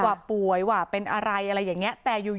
ว่าป่วยว่าเป็นอะไรอะไรอย่างเงี้ยแต่อยู่